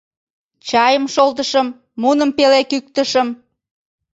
Чайым шолтышым, муным пеле кӱктышым.